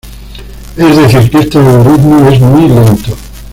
Es decir, que este algoritmo es muy lento.